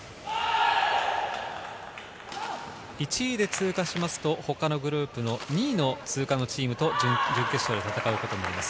１位で通過すると他のグループの２位の通過のチームと、準決勝で戦うことになります。